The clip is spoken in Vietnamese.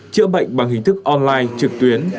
trữa bệnh bằng hình thức online trực tuyến